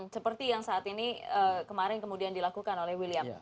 seperti yang saat ini kemarin kemudian dilakukan oleh william